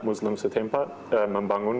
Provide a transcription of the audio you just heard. muslim setempat membangun